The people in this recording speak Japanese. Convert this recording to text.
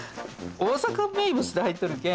「大阪名物」って入っとるけん